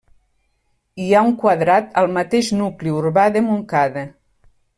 Hi ha un quadrat al mateix nucli urbà de Montcada.